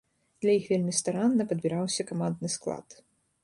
Для іх вельмі старанна падбіраўся камандны склад.